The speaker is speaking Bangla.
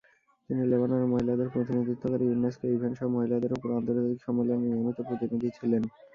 তিনি লেবাননের মহিলাদের প্রতিনিধিত্বকারী ইউনেস্কো ইভেন্ট সহ মহিলাদের উপর আন্তর্জাতিক সম্মেলনে নিয়মিত প্রতিনিধি ছিলেন।